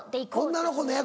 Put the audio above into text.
女の子の役。